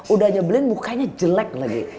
udah nyebelin mukanya jelek lagi